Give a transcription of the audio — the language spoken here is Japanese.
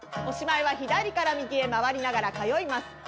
おしまいは左から右へ回りながら通います。